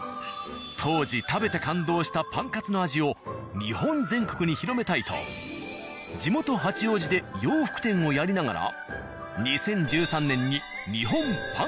当時食べて感動したパンカツの味を日本全国に広めたいと地元八王子で洋服店をやりながら。